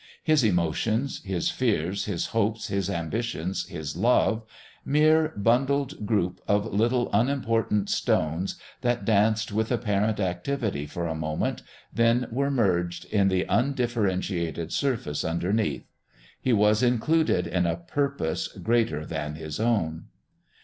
His emotions, his fears, his hopes, his ambition, his love mere bundled group of little unimportant stones that danced with apparent activity for a moment, then were merged in the undifferentiated surface underneath. He was included in a purpose greater than his own.